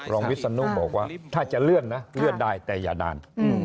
วิศนุบอกว่าถ้าจะเลื่อนนะเลื่อนได้แต่อย่าด่าน